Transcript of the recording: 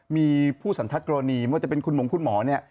มีผู้สันทกรณีไม่ว่าจะเป็นคุณหมงคุณหมอเนี่ย